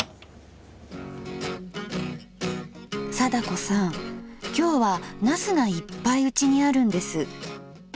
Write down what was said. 貞子さん今日は茄子がいっぱいうちにあるんです。